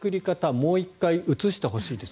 もう一回映してほしいです。